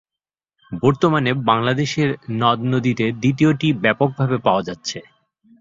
বর্তমানে বাংলাদেশের নদ-নদীতে দ্বিতীয়টি ব্যাপকভাবে পাওয়া যাচ্ছে।